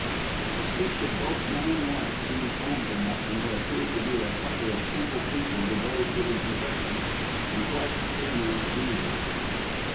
The speech of both man and wife seemed frank enough, and they appeared to be a couple of simple people devoted to their profession and quite ignorant of evil.